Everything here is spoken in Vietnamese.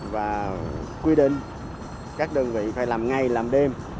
và quy định các đơn vị phải làm ngày làm đêm